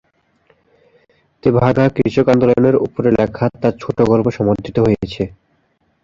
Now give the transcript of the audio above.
তেভাগা কৃষক আন্দোলনের ওপরে লেখা তাঁর ছোটগল্প সমাদৃত হয়েছে।